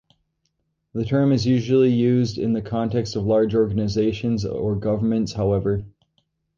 The term is usually used in the context of large organizations or governments, however.